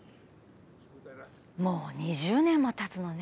もう２０年も経つのね